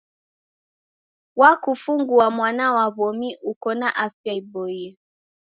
Wakufungua mwana wa w'omi uko na afya iboie.